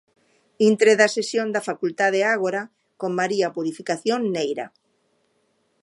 Intre da sesión da Facultade Ágora con María Purificación Neira.